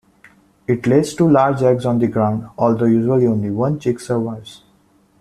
It lays two large eggs on the ground, although usually only one chick survives.